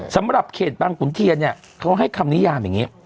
สำหรับเขตบางขุนเทียนเนี่ยเขาให้คำนิยามอย่างนี้